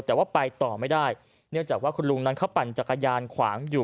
แต่ว่าไปต่อไม่ได้เนื่องจากว่าคุณลุงนั้นเขาปั่นจักรยานขวางอยู่